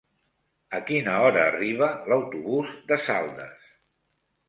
A quina hora arriba l'autobús de Saldes?